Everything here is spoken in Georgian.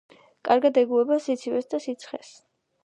კარგად ეგუება სიცივეს და სიცხეს.